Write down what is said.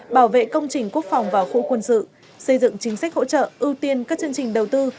bảo vệ công trình quốc phòng và khu quân sự xây dựng chính sách hỗ trợ ưu tiên các chương trình đầu tư